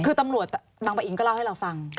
คือตำรวจบางปะอินก็เล่าให้เราฟัง